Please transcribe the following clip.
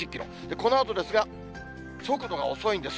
このあとですが、速度が遅いんです。